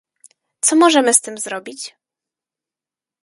Co możemy z tym zrobić?